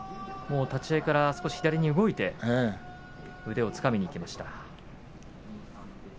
立ち合いから少し左に動いて腕をつかみにいきました。